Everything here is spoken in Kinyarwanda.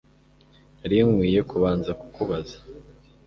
Nari nkwiye kubanza kukubaza